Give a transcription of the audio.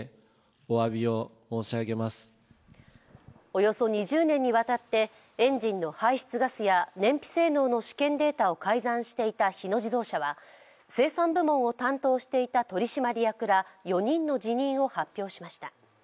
およそ２０年にわたってエンジンの排出ガスや燃費性能の試験データを改ざんしていた日野自動車は生産部門を担当していた取締役ら４人の辞任を発表しました。